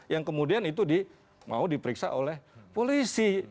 yang kemudian itu mau diperiksa oleh polisi